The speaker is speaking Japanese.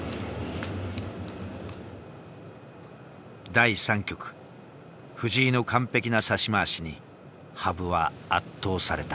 第３局藤井の完璧な指し回しに羽生は圧倒された。